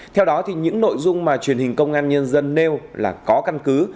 theo đó những nội dung mà truyền hình công an nhân dân nêu là có căn cứ